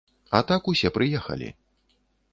А так усе прыехалі.